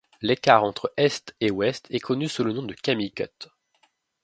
L'écart entre Est et Ouest est connu sous le nom de Camille Cut.